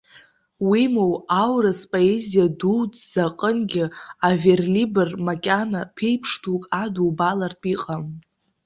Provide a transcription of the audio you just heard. Уимоу, аурыс поезиа дуӡӡа аҟынгьы аверлибр макьана ԥеиԥш дук адубалартә иҟам.